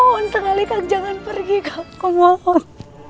aku mohon sekali kak jangan pergi kak aku mohon